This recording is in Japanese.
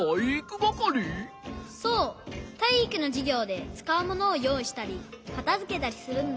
そうたいいくのじゅぎょうでつかうものをよういしたりかたづけたりするんだ。